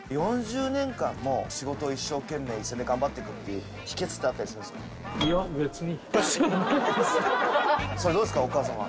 ４０年間も仕事を一生懸命頑張っていくっていう秘訣ってあったりするんですか？